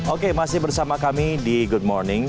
oke masih bersama kami di good morning